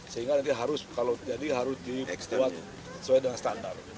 sehingga nanti harus kalau jadi harus di expose sesuai dengan standar